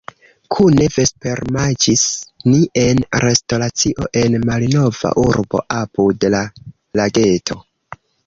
Kune vespermanĝis ni en restoracio en malnova urbo apud la lageto.